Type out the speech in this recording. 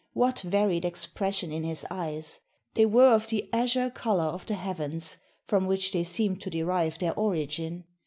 What varied expression in his eyes! They were of the azure colour of the heavens, from which they seemed to derive their origin.